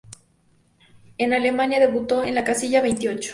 En Alemania, debutó en la casilla veintiocho.